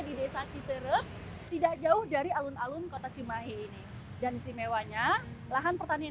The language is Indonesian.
di desa citerep tidak jauh dari alun alun kota cimahi ini dan istimewanya lahan pertanian